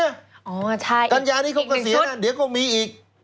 อ๋อใช่อีกหนึ่งสุดกัญญานี้คงจะเสียนั่นเดี๋ยวก็มีอีก